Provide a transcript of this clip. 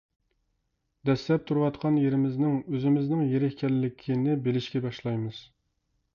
دەسسەپ تۇرۇۋاتقان يېرىمىزنىڭ ئۆزىمىزنىڭ يېرى ئىكەنلىكىنى بىلىشكە باشلايمىز.